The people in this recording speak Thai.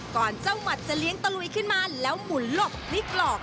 เจ้าหมัดจะเลี้ยงตะลุยขึ้นมาแล้วหมุนหลบพลิกหลอก